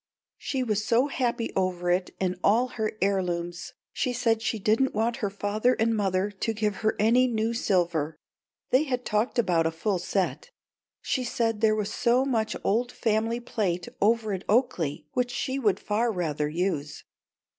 She was so happy over it and all her heirlooms. She said she didn't want her father and mother to give her any new silver. They had talked about a full set. She said there was so much old family plate over at Oaklea, which she would far rather use.